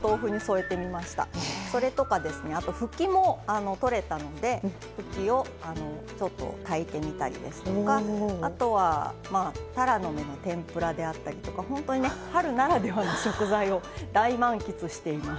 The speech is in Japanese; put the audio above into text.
それとかあとふきもとれたのでふきをちょっと炊いてみたりあとはタラの芽の天ぷらであったりとか本当にね春ならではの食材を大満喫しています。